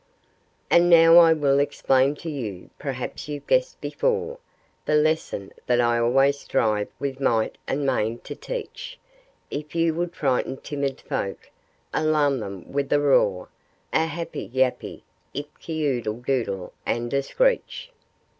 And now I will explain to you perhaps you've guessed before The lesson that I always strive with might and main to teach If you would frighten timid folk, alarm them with a roar, A happy, yappy, yip ky, oodle doodle, and a screech.